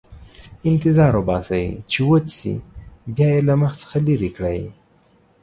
انتظار وباسئ چې وچ شي، بیا یې له مخ څخه لرې کړئ.